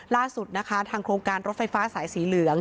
ล่าสุดนะคะทางโครงการรถไฟฟ้าสายสีเหลือง